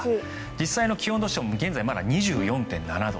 実際の気温としても現在まだ２４．７度。